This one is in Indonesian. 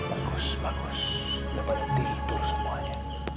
bagus bagus udah pada tidur semuanya